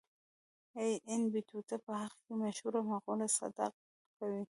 ابن بطوطه په حق کې مشهوره مقوله صدق کوي.